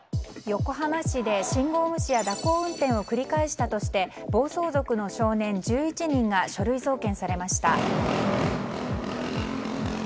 横浜市で信号無視や蛇行運転を繰り返したとして暴走族の少年１１人が書類送検されました。